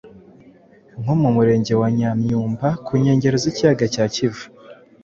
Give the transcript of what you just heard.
nko mu murenge wa Nyamyumba ku nkengero z’ikiyaga cya Kivu